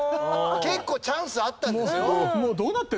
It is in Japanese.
結構チャンスあったんですよ。